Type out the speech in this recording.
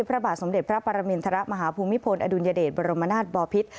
พระบาทสมเด็จพระปรมินทรมาฮภูมิพลอดุลยเดชบรมนาศบอพิษ